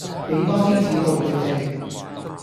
畀多啲指導佢哋